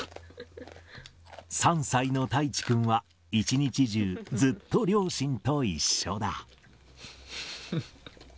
３歳の泰地くんは一日中、ずっと両親と一緒だ。